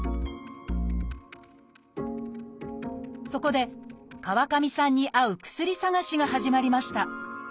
そこで川上さんに合う薬探しが始まりました。